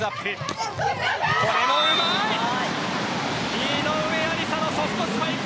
井上愛里沙のソフトスパイク。